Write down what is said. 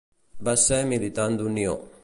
Va ser militant d'Unió.